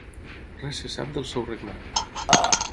Res se sap del seu regnat.